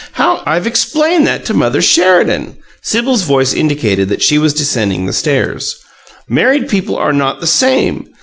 How " "I've explained that to Mother Sheridan." Sibyl's voice indicated that she was descending the stairs. "Married people are not the same.